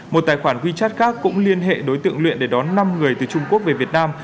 một tài khoản wechat khác cũng liên hệ đối tượng luyện để đón năm người từ trung quốc về việt nam